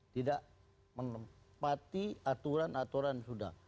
tidak menempati aturan aturan sudah